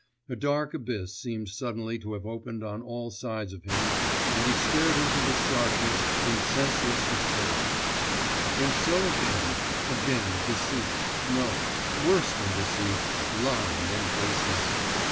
A dark abyss seemed suddenly to have opened on all sides of him, and he stared into this darkness in senseless despair. And so again, again deceit, no, worse than deceit, lying and baseness....